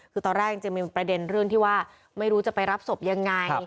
คือตอนแรกจริงมีประเด็นเรื่องที่ว่าไม่รู้จะไปรับศพยังไง